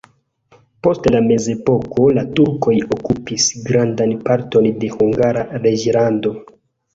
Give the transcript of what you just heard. Post la mezepoko la turkoj okupis grandan parton de Hungara reĝlando.